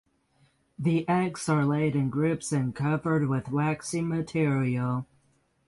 The eggs are laid in groups and covered with waxy material.